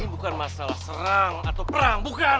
ini bukan masalah serang atau perang bukan